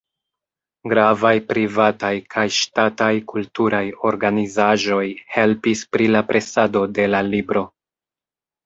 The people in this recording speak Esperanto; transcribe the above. Gravaj privataj kaj ŝtataj kulturaj organizaĵoj helpis pri la presado de la libro.